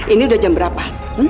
ini udah jam berapa